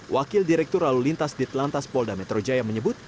wakil direktur lalu lintas di telantas polda metro jaya menyebut